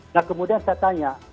nah kemudian saya tanya